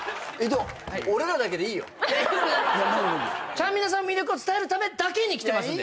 ちゃんみなさんの魅力を伝えるためだけに来てますんで。